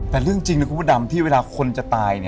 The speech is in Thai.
แต่เรื่องจริงนะคุณพระดำที่เวลาคนจะตาย